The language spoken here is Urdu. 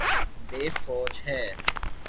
یے فوج ہے